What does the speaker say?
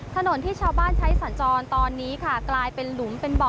ถนนที่ชาวบ้านใช้สัญจรตอนนี้ค่ะกลายเป็นหลุมเป็นบ่อ